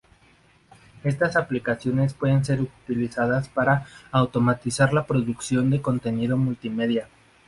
Estas aplicaciones pueden ser usadas para automatizar la producción de contenido multimedia.